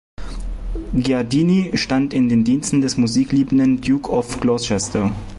Giardini stand in den Diensten des musikliebenden Duke of Gloucester.